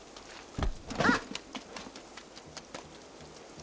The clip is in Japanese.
あっ！